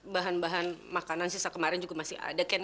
bahan bahan makanan sisa kemarin juga masih ada kan